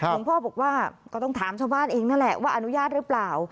หลวงพ่อบอกว่าก็ต้องถามชาวบ้านเองนั่นแหละว่าอนุญาตหรือเปล่า